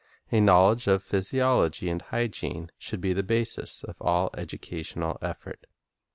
A knowledge of physiology and hygiene should be the basis of all educational effort.